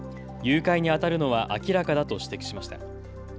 誘拐にあたるのは明らかだと指摘しました。